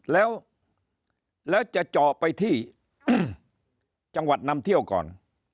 แล้วจะเจาะไปที่จังหวัดนำเที่ยวก่อน